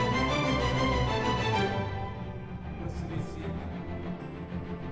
aku rejeng batur sedapur